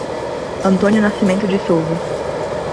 Antônio Nascimento de Souza